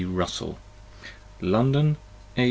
B. RUSSELL LONDON: A.